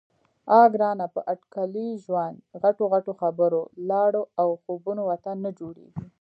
_اه ګرانه! په اټکلي ژوند، غټو غټو خبرو، لاړو او خوبونو وطن نه جوړېږي.